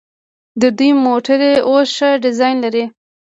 د دوی موټرې اوس ښه ډیزاین لري.